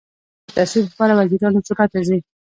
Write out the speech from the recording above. وروسته د تصویب لپاره وزیرانو شورا ته ځي.